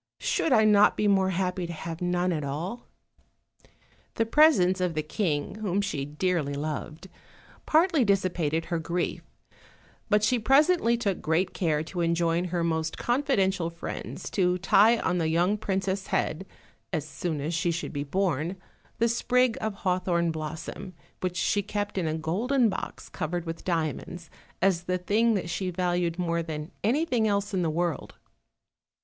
should I not be more happy to have none at all?" The presence of the king, whom she dearly loved, partly dissipated her grief, but she presently took great care to enjoin her most confidential friends to tie on the young princess' head, as soon as she should be OLD, OLD FAIRY TALES. 189 born, the sprig of nawthorn blossom, which she kept in a golden box covered with diamonds, as the thing that she valued more than everything else in the world.